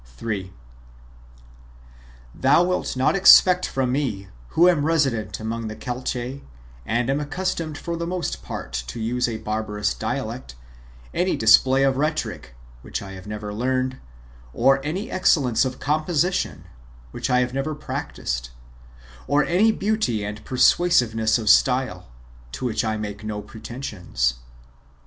'^ 3. Thou wilt not expect from me, who am resident among the Keltgs,'" and am accustomed for the most part to use a barbarous dialect, any display of rhetoric, which I have never learned, or any excellence of composition, which I have never practised, or any beauty and persuasiveness of style, to which I make no pretensions.